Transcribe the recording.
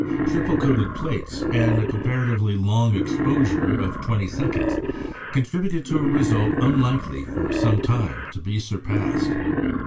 Triple coated plates, and a comparatively long exposure of twenty seconds, contributed to a result unlikely, for some time, to be surpassed.